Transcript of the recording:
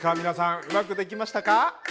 皆さんうまくできましたか？